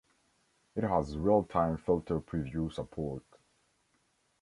It has realtime filter preview support.